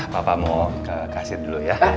papa mau kasih dulu ya